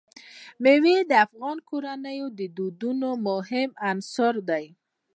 مېوې د افغان کورنیو د دودونو مهم عنصر دی.